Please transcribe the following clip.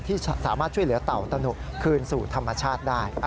ที่สามารถช่วยเหลือเต่าตะหนุคืนสู่ธรรมชาติได้